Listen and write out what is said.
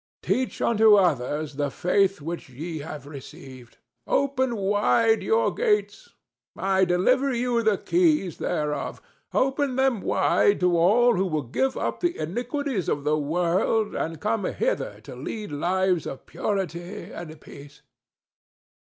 Teach unto others the faith which ye have received. Open wide your gates—I deliver you the keys thereof—open them wide to all who will give up the iniquities of the world and come hither to lead lives of purity and peace.